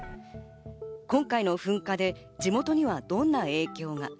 今回の噴火で地元にはどんな影響が。